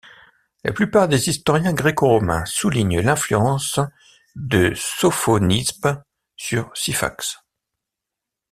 La plupart des historiens gréco-romains soulignent l'influence de Sophonisbe sur Syphax.